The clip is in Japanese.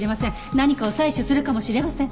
何かを採取するかもしれません。